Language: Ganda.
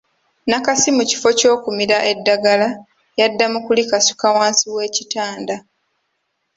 Nakasi mu kifo ky’okumira eddagala yadda mu kulikasuka wansi w’ekitanda.